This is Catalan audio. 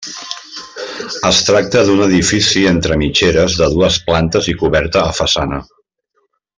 Es tracta d'un edifici entre mitgeres de dues plantes i coberta a façana.